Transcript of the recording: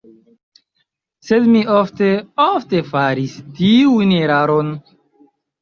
Sed mi ofte, ofte faris tiun eraron.